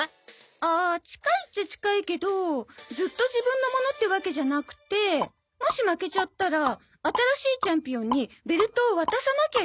ああ近いっちゃ近いけどずっと自分のものってわけじゃなくてもし負けちゃったら新しいチャンピオンにベルトを渡さなきゃいけないの。